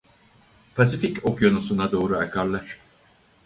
Pasifik okyanusuna doğru akarlar.